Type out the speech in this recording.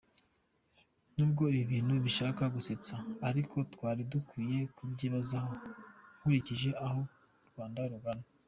Nubwo ibi bintu bishaka gusetsa, ariko twari dukwiye kubyibazaho nkurikije aho Rwanda rugana